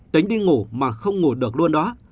tính đi ngủ mà không ngủ được luôn đó